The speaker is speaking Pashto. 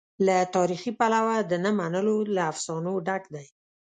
له تاریخي پلوه د نه منلو له افسانو ډک دی.